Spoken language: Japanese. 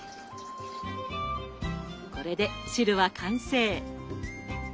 これで汁は完成。